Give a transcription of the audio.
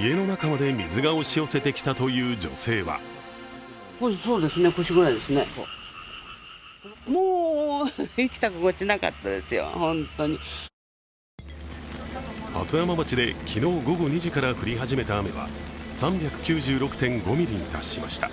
家の中まで水が押し寄せてきたという女性は鳩山町で昨日午後２時から降り始めた雨は３９６．５ミリに達しました。